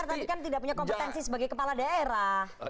tapi kan tidak punya kompetensi sebagai kepala daerah